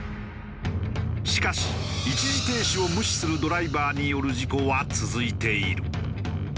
しかし一時停止を無視するドライバーによる事故は続いている。